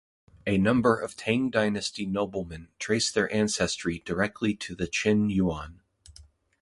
A number of Tang Dynasty noblemen trace their ancestry directly to the Chen Yuan.